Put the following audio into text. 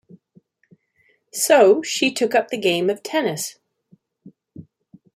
So, she took up the game of tennis.